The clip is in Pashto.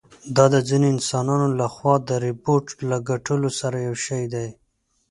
دا د ځینو انسانانو له خوا د ربوبیت له ګټلو سره یو شی دی.